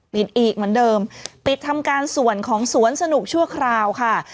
ปิดอีกเหมือนเดิมปิดทำการส่วนของสวนสนุกชั่วคราวค่ะ